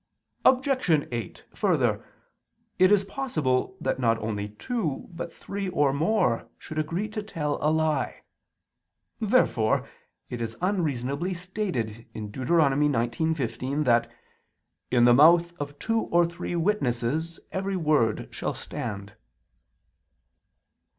Obj. 8: Further, it is possible that not only two, but three or more, should agree to tell a lie. Therefore it is unreasonably stated (Deut. 19:15) that "in the mouth of two or three witnesses every word shall stand."